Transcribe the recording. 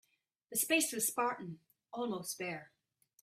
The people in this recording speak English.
The space was spartan, almost bare.